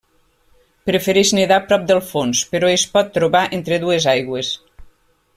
Prefereix nedar prop del fons però es pot trobar entre dues aigües.